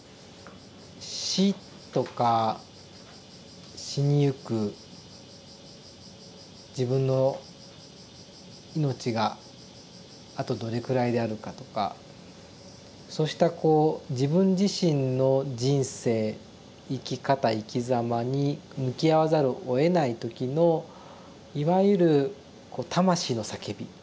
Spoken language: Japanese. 死とか死にゆく自分の命があとどれくらいであるかとかそうしたこう自分自身の人生生き方生きざまに向き合わざるをえない時のいわゆるこう魂の叫び。